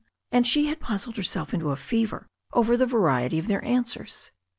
And she had puzzled herself into a fever over the variety of their answers.